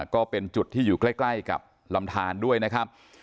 ก็เป็นจุดที่อยู่ใกล้กับลำทานด้วยนะครับ